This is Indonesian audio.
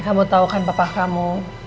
kamu tau kan papa kamu